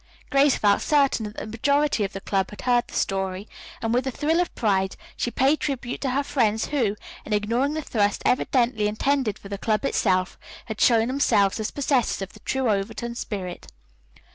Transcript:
Grace felt certain that the majority of the club had heard the story, and with a thrill of pride she paid tribute to her friends, who, in ignoring the thrust evidently intended for the club itself, had shown themselves as possessors of the true Overton spirit.